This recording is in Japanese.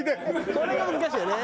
これが難しいよね。